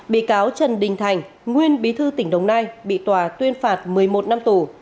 bị cáo trần đình thành nguyên bí thư tỉnh đồng nai bị tòa tuyên phạt một mươi một năm tù